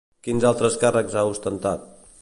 Quins altres càrrecs ha ostentat?